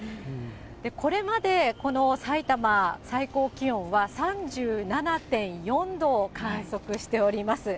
これまでこのさいたま、最高気温は３７．４度を観測しております。